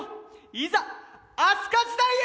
いざ飛鳥時代へ！